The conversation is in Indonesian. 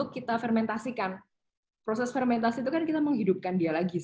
kita masukkan ke dalam